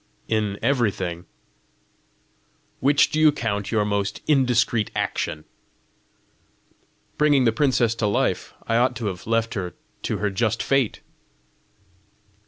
"In everything." "Which do you count your most indiscreet action?" "Bringing the princess to life: I ought to have left her to her just fate."